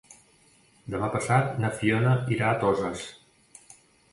Demà passat na Fiona irà a Toses.